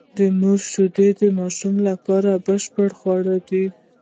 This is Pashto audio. د مور شېدې د ماشوم لپاره بشپړ خواړه دي.